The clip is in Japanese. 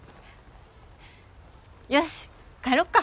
よし帰ろっか。